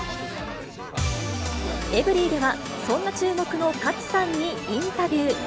エブリィでは、そんな注目の賀喜さんにインタビュー。